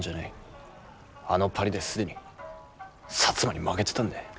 あのパリで既に薩摩に負けてたんだい。